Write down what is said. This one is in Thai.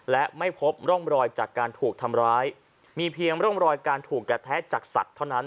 และไม่พบร่องรอยจากการถูกทำร้ายมีเพียงร่องรอยการถูกกระแทะจากสัตว์เท่านั้น